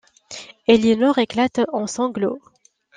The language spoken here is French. Elinor éclate en sanglots.